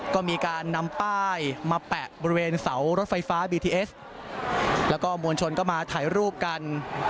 ก็มีการนำป้ายมาแปะบริเวณเสารถไฟฟ้าบีทีเอสแล้วก็มวลชนก็มาถ่ายรูปกัน